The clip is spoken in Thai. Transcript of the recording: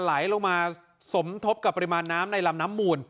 ไหลลงมาสมทบกับปริมาณน้ำในลำน้ำมูล